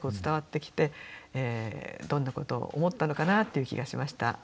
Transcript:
伝わってきてどんなことを思ったのかなっていう気がしました。